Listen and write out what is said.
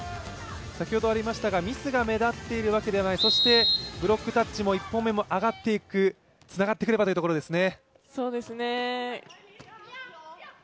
ミスが目立っているわけではない、そしてブロックタッチも１本目も上がっていく、つながってくればというところですね。